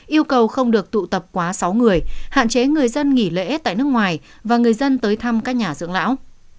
yêu cầu không được tụ tập quá sáu người hạn chế người dân nghỉ lễ tại nước ngoài và người dân tới thăm các nhà dưỡng lão